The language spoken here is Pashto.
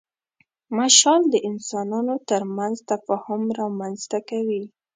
مشال د انسانانو تر منځ تفاهم رامنځ ته کوي.